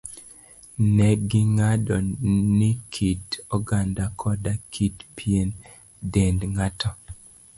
Ne ging'ado ni kit oganda koda kit pien dend ng'ato,